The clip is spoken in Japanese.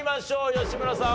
吉村さん